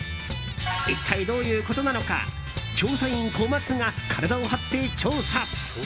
一体どういうことなのか調査員コマツが体を張って調査。